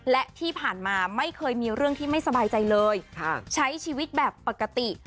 และที่ผ่านมาไม่เคยมีเรื่องที่ไม่สบายใจเลยใช้ชีวิตแบบปกติ